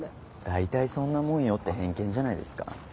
「大体そんなもんよ」って偏見じゃないですか？